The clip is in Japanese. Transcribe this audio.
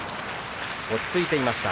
落ち着いていました。